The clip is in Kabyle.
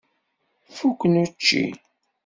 Fuken učči.